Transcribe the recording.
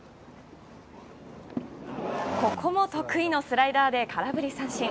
ここも得意のスライダーで空振り三振。